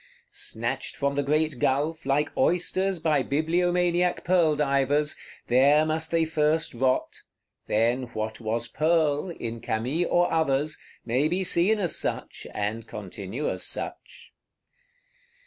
Snatched from the great gulf, like oysters by bibliomaniac pearl divers, there must they first rot, then what was pearl, in Camille or others, may be seen as such, and continue as such.